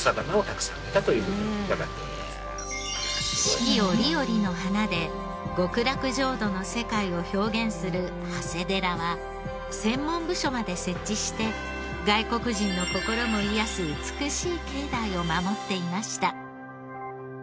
四季折々の花で極楽浄土の世界を表現する長谷寺は専門部署まで設置して外国人の心も癒やす美しい境内を守っていました。